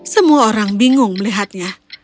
semua orang bingung melihatnya